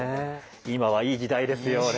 今はいい時代ですよね